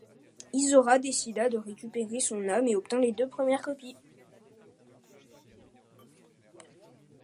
Isora décida de récupérer son âme et obtint les deux premières copies.